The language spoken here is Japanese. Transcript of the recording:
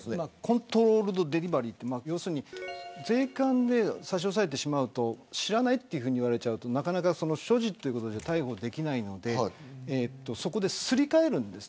コントロールドデリバリーって税関で差し押さえてしまうと知らないと言われてしまうと所持で逮捕ができないのでそこで、すり替えるんです。